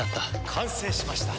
完成しました。